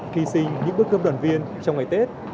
khi sinh những bước cơm đoàn viên trong ngày tết